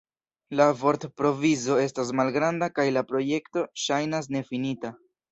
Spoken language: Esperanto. La vortprovizo estas malgranda kaj la projekto ŝajnas nefinita.